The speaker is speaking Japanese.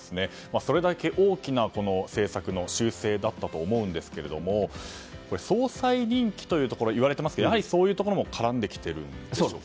それだけ大きな政策の修正だったと思うんですが総裁任期というところが言われていますがやはり、そういうところも絡んできているんでしょうか。